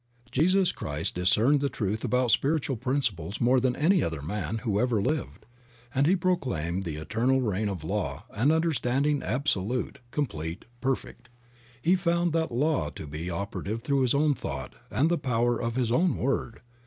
Jesus Christ discerned the truth about spiritual principles more than any other man who ever lived, and he proclaimed the eternal reign of law and understanding, absolute, complete, perfect; and he found that law to be operative through his own thought and the power of his own word.